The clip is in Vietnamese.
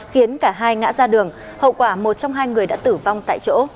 khiến cả hai ngã ra đường hậu quả một trong hai người đã tử vong tại chỗ